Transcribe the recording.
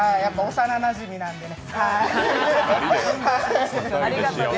幼なじみなんですね。